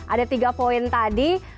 ada tiga poin tadi